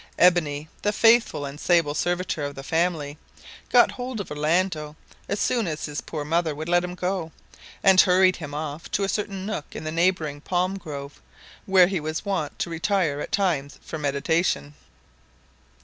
Ebony, the faithful and sable servitor of the family, got hold of Orlando as soon as his poor mother would let him go, and hurried him off to a certain nook in the neighbouring palm grove where he was wont to retire at times for meditation.